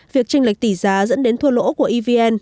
việc tranh lệch tỷ giá dẫn đến thua lỗ của evn